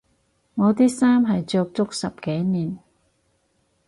我啲衫係着足十幾年